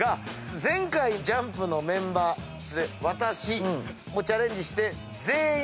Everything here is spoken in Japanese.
前回ＪＵＭＰのメンバーそして私もチャレンジして。